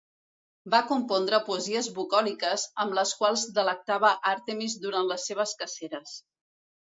Va compondre poesies bucòliques amb les quals delectava Àrtemis durant les seves caceres.